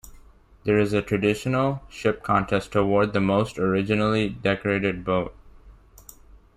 There is a traditional ship contest to award the most originally decorated boat.